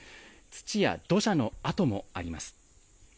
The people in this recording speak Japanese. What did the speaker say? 土や土砂の跡もあります。